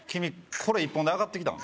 これ一本で上がってきたの？